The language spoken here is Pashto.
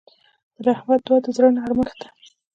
د رحمت دعا د زړه نرمښت ده.